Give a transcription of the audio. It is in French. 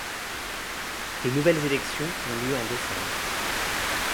De nouvelles élections ont lieu en décembre.